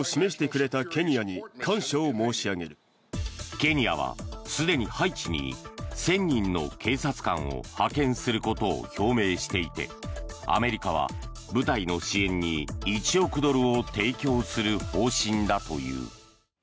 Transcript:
ケニアはすでにハイチに１０００人の警察官を派遣することを表明していてアメリカは部隊の支援に１億ドルを提供する方針だという。